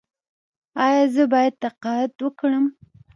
ایا زه باید تقاعد وکړم؟